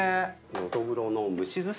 のどぐろの蒸し寿司。